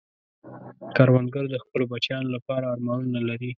کروندګر د خپلو بچیانو لپاره ارمانونه لري